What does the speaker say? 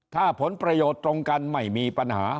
ถ้าผลประโยชน์ตรงกันไม่มีปัญหา